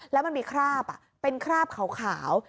แล้วมันมีคราบเป็นคราบขาว